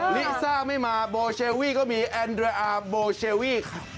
ลิซ่าไม่มาบลโชเวียก็มีแอนเดรอิบบลโชเวีย